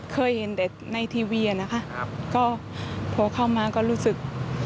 เคยเห็นเด็ดในทีวีนะคะก็พบเข้ามาก็รู้สึก